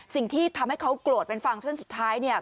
สิ่งที่ทำให้เขากลวดเป็นฝั่งสั้นสุดท้าย